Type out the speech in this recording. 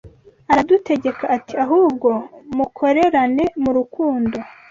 Aradutegeka ati: Ahubwo mukorerane mu rukundo